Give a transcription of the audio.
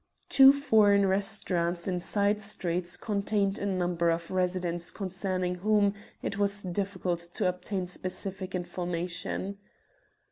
Two foreign restaurants in side streets contained a number of residents concerning whom it was difficult to obtain specific information.